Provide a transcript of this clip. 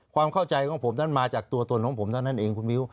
ความเข้าใจของผมนั้นมาจากตัวตนของผมเท่านั้นเองคุณมิ้ว